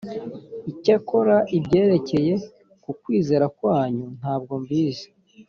icyakora ibyerekeye ku kwizera kwanyu ntabwo mbizi